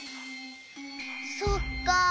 そっか。